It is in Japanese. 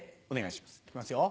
お願いします。